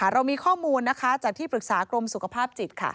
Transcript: เรามีข้อมูลจากที่ปรึกษากรมสุขภาพจิต